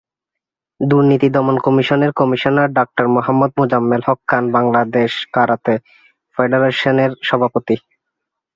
দুর্নীতি দমন কমিশনের commissioner doctor Mohammad Mozammel Haque Khan, Bangladesh karate ফেডারেশনের সভাপতি।